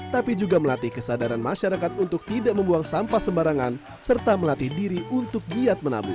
tapi juga melatih kesadaran masyarakat untuk tidak membuang sampah sembarangan serta melatih diri untuk giat menabung